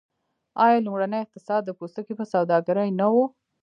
آیا لومړنی اقتصاد د پوستکي په سوداګرۍ نه و؟